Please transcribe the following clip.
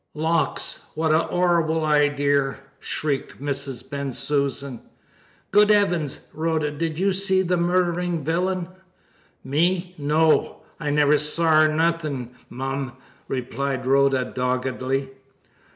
"Lawks, what a 'orrible idear!" shrieked Mrs. Bensusan. "Good 'eavens, Rhoda, did you see the murdering villain?" "Me? No! I never sawr nothing, mum," replied Rhoda doggedly.